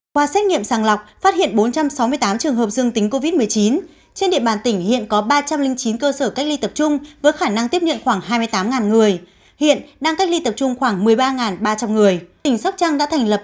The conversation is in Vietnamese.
qua xét nghiệm sàng lọc phát hiện bốn trăm sáu mươi tám trường hợp dương tính covid một mươi chín trên địa bàn tỉnh hiện có ba trăm linh chín cơ sở cách ly tập trung với khả năng tiếp nhận khoảng hai mươi tám người hiện đang cách ly tập trung khoảng một mươi ba ba trăm linh người tỉnh sóc trăng đã thành lập